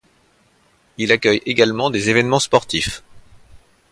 Il accueille également des évènements sportifs.